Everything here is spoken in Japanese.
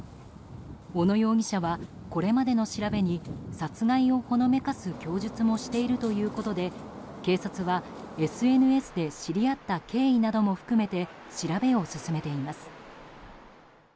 小野容疑者は、これまでの調べに殺害をほのめかす供述もしているということで警察は、ＳＮＳで知り合った経緯なども含めて調べを進めています。